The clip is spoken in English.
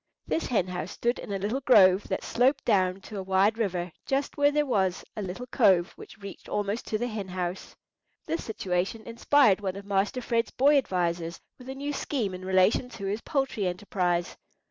This hen house stood in a little grove that sloped down to a wide river, just where there was a little cove which reached almost to the hen house. [Picture: Erecting the Hen House] This situation inspired one of Master Fred's boy advisers with a new scheme in relation to his poultry enterprise.